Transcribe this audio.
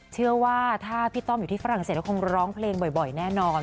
เชื่อว่าถ้าพี่ต้อมอยู่ที่ฝรั่งเศสก็คงร้องเพลงบ่อยแน่นอน